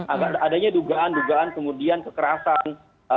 agar adanya dugaan dugaan kemudian kekerasan